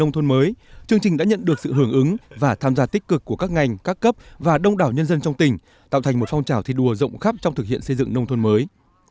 trong chương trình đã nhận được sự hưởng ứng và tham gia tích cực của các ngành các cấp và đông đảo nhân dân trong tỉnh tạo thành một phong trào thi đua rộng khắp trong thực hiện xây dựng nông thôn mới